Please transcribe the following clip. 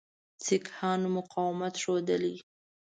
سیکهانو مقاومت ښودلی.